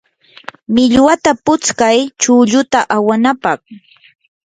millwata putskay chulluta awanapaq.